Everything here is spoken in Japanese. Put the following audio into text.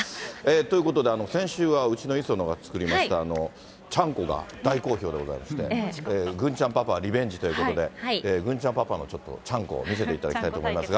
ということで、先週はうちの磯野が作りました、ちゃんこが大好評でございまして、郡ちゃんパパリベンジということで、郡ちゃんパパのちゃんこを見せていただきたいと思いますが。